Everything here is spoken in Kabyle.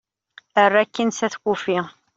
err akin s at kufi